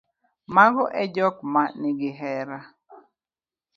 mago e jok ma nigi hera